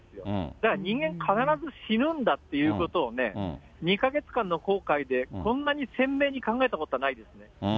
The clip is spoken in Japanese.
だから人間、必ず死ぬんだということをね、２か月間の航海でこんなに鮮明に考えたことはないですね。